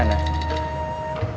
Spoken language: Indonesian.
terus aku gimana